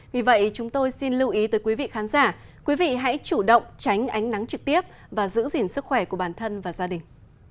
vì vậy chúng tôi xin lưu ý tới quý vị khán giả quý vị hãy chủ động tránh ánh nắng trực tiếp và giữ gìn sức khỏe của bản thân và gia đình